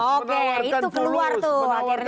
oke itu keluar tuh akhirnya